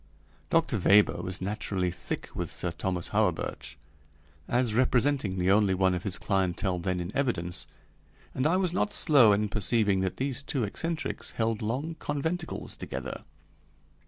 Dr. Weber was naturally thick with Sir Thomas Hawerburch, as representing the only one of his clientele then in evidence, and I was not slow in perceiving that these two eccentrics held long conventicles together.